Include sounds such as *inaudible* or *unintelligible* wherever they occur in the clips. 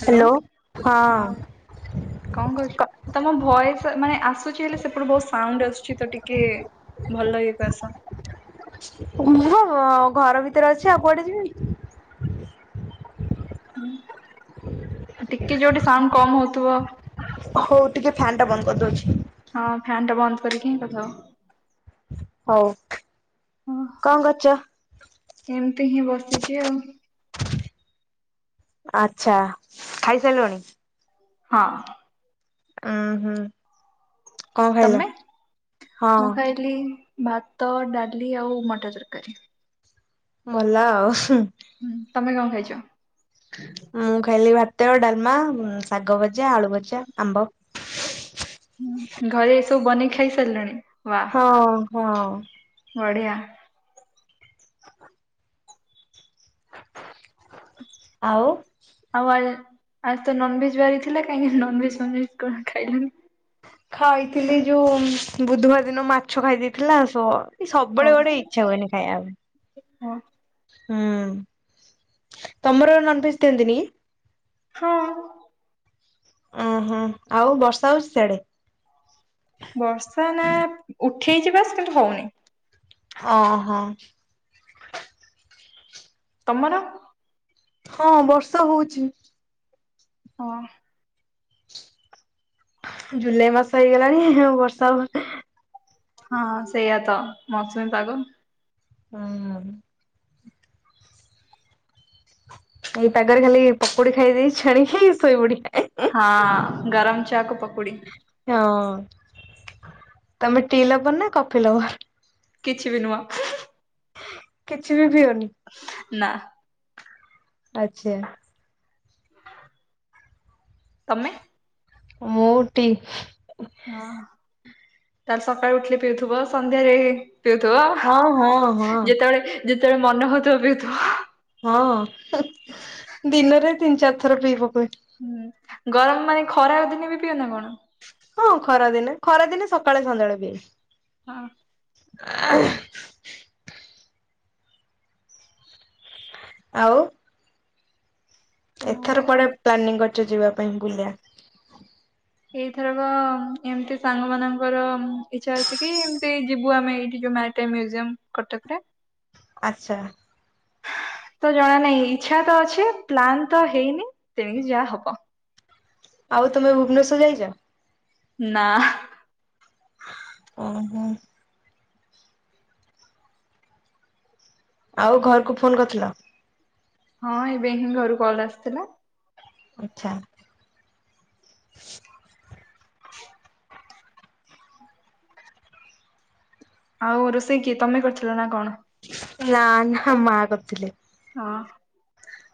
Hello ହଁ। କଅଁ କରୁଚୁ? କ ତମ ଭଏସ୍ ମାନେ ଆସୁଛି ହେଲେ ସେପଟୁ ବହୁତ୍ ସାଉଣ୍ଡ ଆସୁଛି ତ ଟିକେ ଭଲ ଇଏକୁ ଆସ। ମୁଁ ପା ଘ ଘର ଭିତରେ ଅଛି ଆଉ କୁଆଡେ ଯିବି? ଉୁଁ ଆ ଟିକେ ଯୋଉଠି ସାଉଣ୍ଡ କମ୍ ହୋଉଥିବ? ହଉ ଟିକେ ଫ୍ୟାନଟା ବନ୍ଦ କରିଦେଉଛି। ହଁ ଫ୍ୟାନଟା ବନ୍ଦ କରିକି ହିଁ କଥା ହୁଅ? ହଉ କଅଁ କରୁଚ? ଏମତି ହିଁ ବସିଚି ଆଉ ଆଛା ଖାଇସାରିଲୁଣି? ହଁ। ଉଁ ହୁଁ। କଣ ଖାଇଲ? ତମେ ହଁ। ମୁଁ ଖାଇଲି ଭାତ ଡାଲି ଆଉ ମଟର ତରକାରୀ। ଭଲ ଆଉ ହୁଁ। ହୁଁ ତମେ କଣ ଖାଇଛ? ମୁଁ ଖାଇଲି ଭାତ ଡାଲମା ଶାଗ ଭଜା ଆଳୁ ଭଜା ଆମ୍ବ ହୁଁ ଘରେ ଏସବୁ ବନେଇ ଖାଇସାରିଲଣି ୱା ଅହ। ବଢିଆ। ଆଉ ଆଉ ଆ ଆଜି ତ ନନଭେଜ୍ ବାରି ଥିଲା କାହିଁକି ନନଭଜ୍ ଫନଭେଜ୍ କଣ ଖାଇଲେନି। ଖାଇଥିଲି ଯୋଉ ବୁଧୁବାର ଦିନ ମାଛ ଖାଇ ଖାଇଦେଇଥିଲି ନା ସ ସବୁବେଳେ ହଁ ଗୋଟେ ଇ ଚ୍ଛା ହୁଅନି ଖାଇବାପାଇଁ। ହଁ ହୁଁ ତମର ନନଭେଜ୍ ଦିଅନ୍ତିନି କି? ହଁ। ଅଁ ହଁ ଆଉ ବର୍ଷା ହଉଛି ସିଆଡେ। ବର୍ଷା ନା ଉଠେଇଛି ବାସ୍ କିନ୍ତୁ ହୋଉନେଇଁ। ଓ ହ। ତମର। ହଁ ବର୍ଷା ହୋଉଚି। ହଁ। ଜୁଲାଇ ମାସ ହେଇଗଲାଣି ଆଉ ବର୍ଷା ହବ ନେ ହଁ ସେଇଆା ତ ମୌସୁମୀ ପାଗ। ହୁଁ। ଏଇ ପାଗରେ ଖାଲି ପକୁଡି ଖାଇଦେକି ଛାଣିକି ଶୋଇ ପଡିବା। ହଁ ଗରମ ଚାଆ କୁ ପକୁଡି। ହଁ ତମେ ଟି ଲଭର୍ ନା କଫି ଲଭର୍। କିଛି ବି ନୁହଁ ହୁଁ ହୁଁ। କିଛି ବି ପିଅନି। ନା। ଆଛା। ତମେ। ମୁଁ ଟି। ହଁ ତାହେଲେ ସକାଳୁ ଉଠିଲେ ପିଉଥିବ ସନ୍ଧ୍ୟାରେ ପିଉଥିବ ହଁ ହଁ ହଁ ଯେତେବେଳେ ଯେତେବେଳେ ମନ ହୋଉଥିବ ପିଉଥିବ। ହଁ ଦିନରେ ତିନି ଚାରି ଥର ପି ପକୁଏ। ହୁଁ ଗରମ ମାନେ ଏଇ ଖରା ଦିନେ ବି ପିଅ ନା କଣ। ହଁ ଖରା ଦିନେ ଖରାଦିନେ ସକାଳେ ସଞ୍ଜ ବେଳେ ପିଏ। ହଁ। *inaudible* ଆଉ। ଏଥର ହଁ। କୁଆଡ଼େ ପ୍ଲାନିଂ କରିଛ ଯିବା ପାଇଁ ବୁଲିବା। ଏଇଥରକ ଏମିତି ସାଙ୍ଗ ମାନଙ୍କର ଇଚ୍ଛା ଅଛି କି ଏମତି ଯିବୁ ଆମେ ଏଇଠି ଯୋଉ ମ୍ୟ ମ୍ୟୁଜିୟମ୍ କଟକ ରେ। ଆଚ୍ଛା। ତ ଜଣା ନାଇଁ ଇଚ୍ଛା ତ ଅଛି ପ୍ଲାନ ତ ହେଇନି ତେଣିକି ଯାହା ହବ। ଆଉ ତମେ ଭୁବନେଶ୍ଵର ଯାଇଚ। ନା। ଓହୋଃ। ଆଉ ଘରକୁ ଫୋନ କରିଥିଲ। ହଁ ଏବେ ହିଁ ଘରୁ କଲ୍ ଆସିଥିଲା। ଆଚ୍ଛା। *inaudible* ଆଉ ରୋଷେଇ କିଏ ତମେ କରିଥିଲ ନା କଣ। ନା ନା ମା କରିଥିଲେ। ହଁ।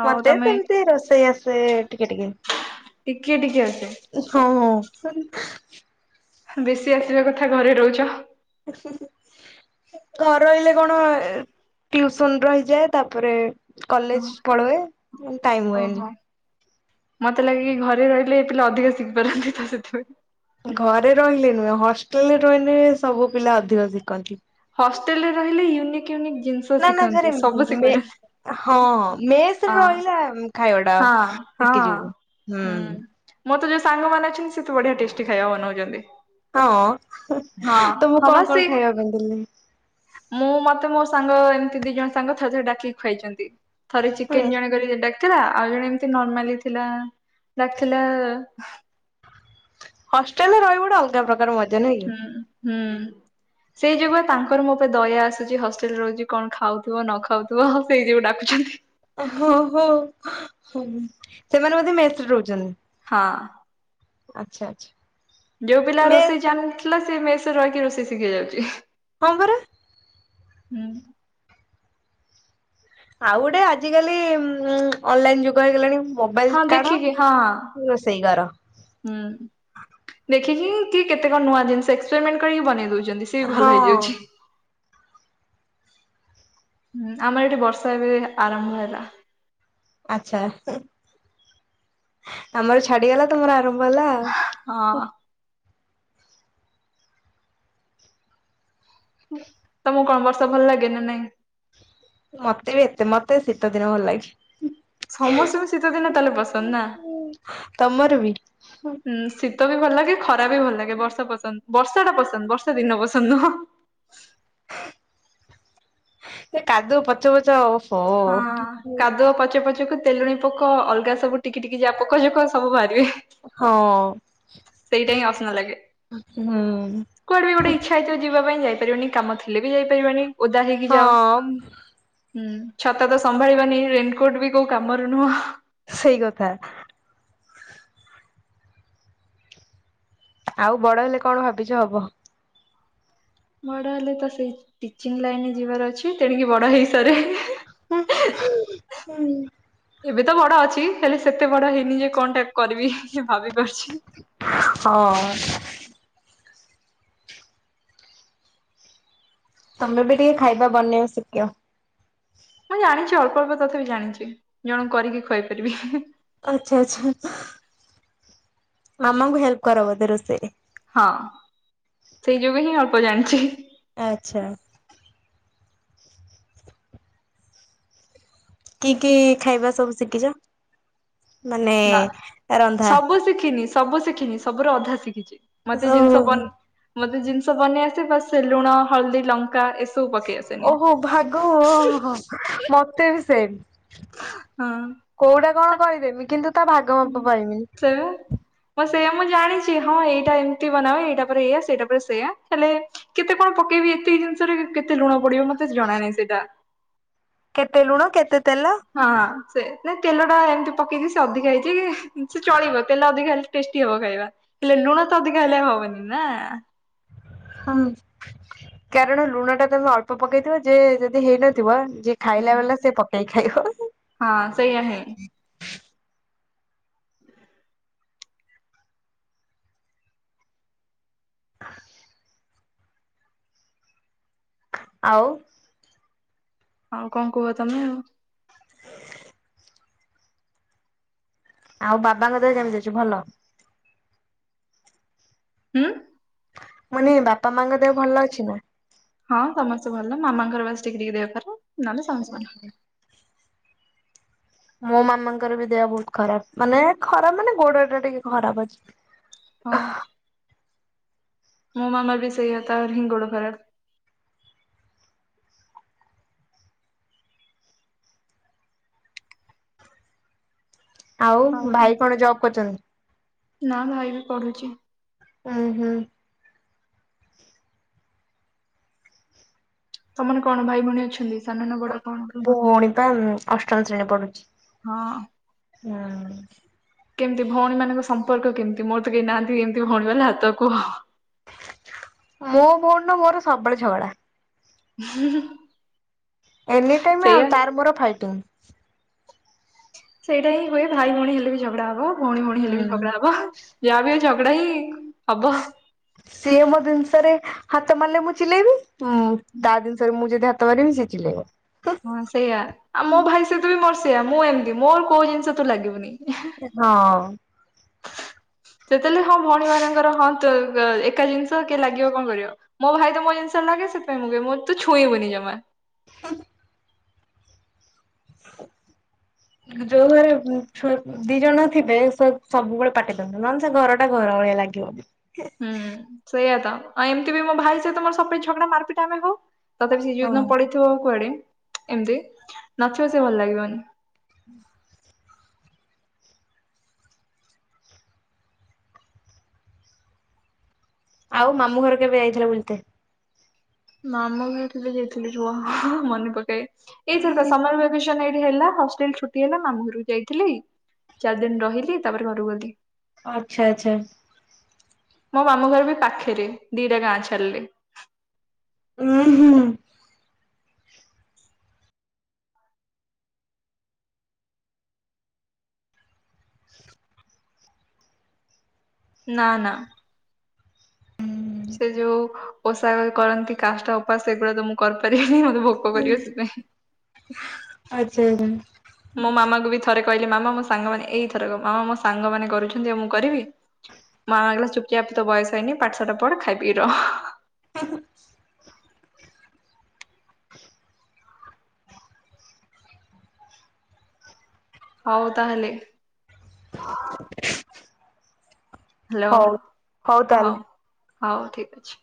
ଆଉ ମତେ ତମେ ସେମିତି ରୋଷେଇ ଆସେ ଟିକେ ଟିକେ। ଟିକେ ଟିକେ ଆସେ। ଏ ହଁ। ବେଶୀ ଆସିବା କଥା ଘରେ ରହୁଚ। ଘରେ ରହିଲେ କଣ ଟ୍ୟୁସନ ରହିଯାଏ ତାପରେ କଲେଜ ହଁ ପଳାଏ। ଟାଇମ। ଓହୋ ମତେ ଲାଗେ କି ଘରେ ରହିଲେ ପିଲା ଅଧିକା ଶିଖିପାରନ୍ତେ ତ ସେଥିପାଇଁ। ଘରେ ରହିଲେ ନୁହେଁ ହଷ୍ଟେଲରେ ରହିଲେ ସବୁ ପିଲା ଅଧିକ ଶିଖନ୍ତି। ହଷ୍ଟେଲ ରହିଲେ ୟୁନିକ ୟୁନିକ୍ ଜିନିଷ ନା ନା ଶିଖନ୍ତି ସବୁ ଯିଏ ଶିଖିପାରନ୍ତି ହଁ ମେସରେ ହଁ ରହିଲା ଖାଇବା ଟା ହଁ ହଁ ଶିଖି ଯିବୁ ହୁଁ। ମୋର ତ ଯୋଉ ସାଙ୍ଗମାନେ ଅଛନ୍ତି ସେ ତ ବଢ଼ିଆ ଟେଷ୍ଟି ଖାଇବା ବନୋଉଛନ୍ତି। ହଁ ତମକୁ ହଁ ବା କଣ କଣ ସେ ଖାଇବା କୁ ଭଲ ଲାଗେ। ମୁଁ ମତେ ମୋ ସାଙ୍ଗ ଏମିତି ଦି ଜଣ ସାଙ୍ଗ ଥରେ ଥରେ ଡାକିକି ଖୁଆଇଛନ୍ତି। ଥରେ ହୁଁ। ଚିକେନ ଜଣେ କରିକି ଡାକିଥିଲା। ଆଉ ଜଣେ ଏମତି ନର୍ମାଲି ଥିଲା ଡାକିଥିଲା ହଷ୍ଟେଲ ରେ ରହିବୁ ଗୋଟେ ଅଲଗା ପ୍ରକାର ମଜା ନୁହେଁ କି। ହୁଁ ହୁଁ। ସେଇ ଯୋଗୁ ତାଙ୍କର ମୋ ଉପରେ ଦୟା ଆସୁଛି ହଷ୍ଟେଲରେ ରହୁଛି କଣ ଖାଉଥିବ ନ ଖାଉଥିବ ଆଉ ସେଇ ଯୋଗୁ ଡାକୁଛନ୍ତି। ଓହୋଃ ସେମାନେ ବୋଧେ ମେସ୍ ରେ ରହୁଛନ୍ତି? ହଁ। ଆଚ୍ଛା ଆଚ୍ଛା। ଯୋଉ ପିଲା ମେସ୍ ରୋଷେଇ ଜାଣି ନଥିଲା ସେ ମେସ୍ ରେ ରହିକି ରୋଷେଇ ଶିଖି ଯାଉଛି। ହଁ ପରା। ହୁଁ। ଆଉ ଗୋଟେ ଆଜିକାଲି ଉଁ ଅନଲାଇନ ଯୁଗ ହେଇଗଲାଣି। ମୋବାଇଲ ହଁ କାଢ଼ ଦେଖିକି ହଁ ରୋଷେଇ କର। ହୁଁ ଦେଖିକି କିଏ କେତେ କଣ ନୂଆ ଜିନିଷ ଏକ୍ସପେରିମେଣ୍ଟ କରିକି ବନେଇ ଦେଉଛନ୍ତି। ସେ ବି ହଁ ଭଲ ହେଇଯାଉଛି। ହୁଁ ଆମର ଏଠି ବର୍ଷା ଏବେ ଆରମ୍ଭ ହେଲା। ଆଛା ହେଁ ଆମର ଛାଡିଗଲା ତମର ଆରମ୍ଭ ହେଲା। ହଁ। ତମକୁ କଣ ବର୍ଷ ଭଲ ଲାଗେ ନା ନାଇଁ। ମତେ ବି ଏତେ ମତେ ଶୀତ ଦିନ ଭଲ ଲାଗେ। ସମସ୍ତଙ୍କୁ ଶୀତ ଦିନ ତାହେଲେ ପସନ୍ଦ। ନା? ହୁଁ ତମର ବି। ହୁଁ ଶୀତ ବି ଭଲ ଲାଗେ ଖରା ବି ଭଲ ଲାଗେ ବର୍ଷା ପସନ୍ଦ ବର୍ଷା ଟା ପସନ୍ଦ ବର୍ଷା ଦିନ ପସନ୍ଦ ନୁହଁ। ଏ କାଦୁଅ ପଚ ପଚ ଓଃ। ହଁ କାଦୁଅ ପଚପଚ ଯୋକୁ ତେଲୁୀଣିପୋକ ଅଲଗା ସବୁ ଟିକି ଟିକି ଯା ପୋକ ଯୋକ ସବୁ ବାହାରିବେ। ସେଇଟା ହିଁ ହଁ ଅସନା ଲାଗେ। ହୁଁ। କୁଆଡେ ବି ଗୋଟେ ଇଛାହେଇଥିବ ଯିବା ପାଇଁ ଯାଇପାରିବନି କାମ ଥିଲେ ବି ଯାଇପାରିବାନି ଓଦା ହେଇକି ଯାଅ। ହଁ ହୁଁ ଛତା ତ ସମ୍ଭାଳିବନି ରେନିକୋଟ ବି କୋଉ କାମରୁ ନୁହଁ ହଁ। ସେଇ କଥା। ଆଉ ବଡ ହେଲେ କଣ ଭାବିଛ ହବ। ବଡ ହେଲେ ତ ସେଇ ଟିଚିଂ ଲାଇନ ଯିବାର ଅଛି ତେଣିକି ବଡ ହେଇସାରେ ହିଁ ହିଁ। *unintelligible* ଏବେ ତ ବଡ ଅଛି ହେଲେ ସେତେ ବଡ ହେଇନି ଯେ କଣ ଟା କରିବି ଭାବି ପାରୁଛି। ହଁ। ତମେ ବି ଟିକେ ଖାଇବା ବନେଇବା ଶିଖିବ। ମୁଁ ଜାଣିଛି ଅଳ୍ପ ଅଳ୍ପ ତଥା ବି ଜାଣିଛି ଜଣକୁକରିକି ଖୁଆଇପାରିବି ହିଁ-ହିଁ। ଆଚ୍ଛା ଆଛା। ମାମାଙ୍କୁ ହେଲ୍ପ କର ବୋଧେ ରୋଷେଇ। ହଁ ସେଇ ଯୋଗୁ ହିଁ ଅଳ୍ପ ଜାଣିଛି। ଆଛା। କି କି ଖାଇବା ସବୁ ଶିଖିଛ? ମାନେ ନା ରନ୍ଧା? ସବୁ ଶିଖିନି ସବୁ ଶିଖିନି ସବୁ ର ଅଧା ଶିଖିଛି ମତେ ଓହୋ ଜିନିଷ ବନ ମତେ ଜିନିଷ ବନେଇ ଆସେ ବାସ ଲୁଣ ହଳଦୀ ଲଙ୍କା ଏ ଓହୋ ଭାଗ ହ ହ ମତେ ବି ସେମେ। ହଁ। କୋଉଟା କଣ କରିଦେମି କିନ୍ତୁ ତା ଭାଗ ମାପ ପାଇମିନି। ଶେଇପା। ମଁ ସେଇୟା ମୁଁ ଜାଣିଛି ହଁ ଏଇଟା ଏମିତି ବନାଏ ଏଇଟା ପରେରେ ଏଇଆ ସେଇଟା ପରେ ସେଇୟା ହେଲେ କେତେ କଣ ପକେଇବି ଏତକି ଜିନିଷରେ କେତେ ଲୁଣ ପଡିବ ମତେ ଜଣା ନାହିଁ ସେଇଟା। କେତେ ଲୁଣ କେତେ ତେଲ। ହଁ ସେ ନା ତେଲ ଟା ଏମିତି ପକେଇଛି ସେ ଅଧିକା ହେଇଛି କି ସେ ଚଳିବ ତେଲ ଅଧିକା ହେଲେ। ଟେଷ୍ଟି ହବ ଖାଇବା ହେଲେ ଲୁଣ ତ ଅଧିକା ହେଲେ ହବନି ନା। ହଁ। କାରଣ ଲୁଣ ଟା ତମେ ଅଳ୍ପ ପକେଇଥିବ ଯେ ଯଦି ହେଇନଥିବ ଯେ ଖାଇଲା ବାଲା ସେ ପକେଇକି ଖାଇବ। ହଁ ସେଇଆ ହି। ଆଉ। ଆଉ କଣ କୁହ ତମେ? *unintelligible* ଆଉ ବାବାଙ୍କ ଦେହ କେମିତି ଅଛି ଭଲ। ହୁଁ। ମୁଁ କହିନି ବାପା ମାଙ୍କ ଦେହ ଭଲ ଅଛି ନା। ହଁ ସମସ୍ତେ ଭଲ ମାମାଙ୍କର ବାସ ଟିକେ ଟିକେ ଦେହ ଖରାପ ନହେଲେ ସମସ୍ତେ ଭଲ। ମୋ ମାମାଙ୍କର ବି ଦେହ ବହୁତ ଖରାପ ମାନେ ଖରାପ ମାନେ ଗୋଡଟା ଟିକେ ଖରାପ ଅଛି। ହଁ। ମୋ ମାାମା ବି ସେଇଆ ତାର ହିଁ ଗୋଡ଼ ଖରାପ। ଆଉ ଭାଇ କଣ ଜବ୍ କରୁଛନ୍ତି? ନା ଭାଇ ବି ପଢୁଛି। ଉଁ ହୁଁ। ତମର କଣ ଭାଇ ଭଉଣୀ ଅଛନ୍ତି? ସାନ ନା ବଡ କଣ? ଭଉଣୀ ବା ଅଷ୍ଟମ ଶ୍ରେଣୀ ପଢୁଛି ହଁ। ହୁଁ। କେମିତି ଭଉଣୀ ମାନଙ୍କ ସମ୍ପର୍କ କେମିତି ମୋର ତ କେହି ନାହାନ୍ତି ଯେମିତି ଭଉଣୀ ବାଲା ତ କୁହ। ମୋ ଭଉଣୀର ମୋର ସବୁବେଳେ ଝଗଡା। ଉଁ ହୁଁ। ଏନି ଟାଇମ ଆଉ ତାର ମୋର ଫାଇଟିଂ। ସେଇଟା ହିଁ ହୁଏ ଭାଇ ଭଉଣୀ ହେଲେ ବି ଝଗଡା ହବ ଭଉଣୀ ଭଉଣୀ ହେଲେ ବି ହୁଁ ଝଗଡା ହବ। ଯାହା ବି ହୋଉ ଝଗଡା ହିଁ ହବ। ସିଏ ମୋ ଜିନିଷରେ ହାତ ମାରିଲେ ମୁଁ ଚିଲେଇବି ମୁଁ ତା ଜିନି ତ ମୁଁ ଯଦି ହାତ ମାରିଲି ସିଏ ଚିଲେଇବ। ହଁ ସେଇଆ ଆଉ ମୋ ଭାଇ ସହିତ ବି ମୋର ସେଇଆ ମୁଁ ଏମିତି ମୋର କୋଉ ଜିନିଷ ତୁ ଲାଗିବୁନି। ହଁ। ସେତେବେଲେ ହଁ ଭଉଣୀମାନଙ୍କର ହଁ ତ ଏକା ଜିନିଷ କିଏ ଲାଗିବ କଣ କରିବ। ମୋ ଭାଇ ତ ମୋ ଜିନିଷରେ ଲାଗେ ସେଥିପାଇଁ ମୁ ଲାଗେ ମୋତ ତ ଛୁଇଁବୁନି ଜମା। ହମ୍। *inaudible* ଯୋଉ ଘରେ ଛୁଆ ଦି ଜଣ ଥିବେ ସବୁବେଳେ ପାଟି ତୁଣ୍ଡ ନହେଲେ ସେ ଘର ଟା ଘର ଭଳିଆ ଲାଗିବନି। ହୁଁ ସେଇଆ ତ ଆଉ ଏମତି ବି ମୋ ଭାଇ ସହିତ ମୋର ସବୁବେଳେ ଝଗଡା ମାରପିଟ ଆମେ ହଉ। ତଥାପି ସେ ଯୋଉଦିନ ହଁ। ପଳେଇଥିବ କୁଆଡେ ଏମିତି ନଥିଅ ସିଏ ଭଲ ଲାଗିବନ୍। ହୁଁ *inaudible* ଆଉ ମାମୁଁ ଘର କେବେ ଆଇଥିଲ ବୁଲତେ? ମାମୁଁ ଘର କେବେ ଯାଇଥିଲି ରୁଅ ମନେପକାଏ ଏଇଥରକ ସମର୍ ଭ୍ୟା *unintelligible* ସନ୍ ଏଇଠି ହେଲା ହଷ୍ଟେଲ ଛୁଟି ହେଲା ମାମୁଁ ଘରକୁ ଯାଇଥିଲି ଚାରି ଦିନ ରହିଲି ତାପରେ ଘରୁ ଗଲି। ଅ ଆଚ୍ଛା ଆଚ୍ଛା। ମୋ ମାମୁଁ ଘର ବି ପାଖେରେ ଦିଟା ଗାଁ ଛାଲେ। ଉୁଁ ହୁଁ। *inaudible* ନା ନା। ସେ ଯୋଉ ଓଷା *unintelligible* କରନ୍ତି କାଷ୍ଟା ଓପାସ୍ ସେଗୁଡା ତ ମୁଁ କରିପାରିବିନି ମୋତେ ଭୋକ କରିବ ସେତ୍ ପାଇଁ। ଆଚ୍ଛା *unintelligible* ମୋ ମାମା କୁ ବି ଥରେ କହିଲି ମାମା ମୋ ସାଙ୍ଗମାନେ ଏଇ ଥରକ ମାମା ମୋ ସାଙ୍ଗ ମାନେ କରୁଛନ୍ତି ଆଉ ମୁଁ କରିବି? ମାମା କଇଲା ଚୁପ୍ ଚାପ୍ ତୋ ବୟସ ହେଇନି ପାଠଶାଠ ପଢ ଖାଇ, ପି ରହ। ହଉ ତାହେଲେ। ହାଲୋ ହଉ ହଉ ହଁ ତାହେଲେ। ହଉ ଠିକ୍ ଅଛି।